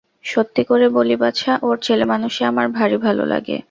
সত্যি করে বলি বাছা, ওর ছেলেমানুষি আমার ভারি ভালো লাগে।